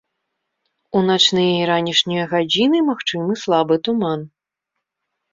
У начныя і ранішнія гадзіны магчымы слабы туман.